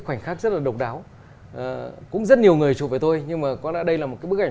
khoảnh khắc rất là độc đáo cũng rất nhiều người chụp với tôi nhưng mà có đã đây là một cái bức ảnh